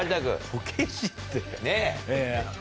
こけしって。